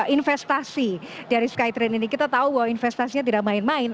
investasi dari skytrain ini kita tahu bahwa investasinya tidak main main